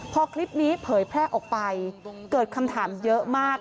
พอคลิปนี้เผยแพร่ออกไปเกิดคำถามเยอะมาก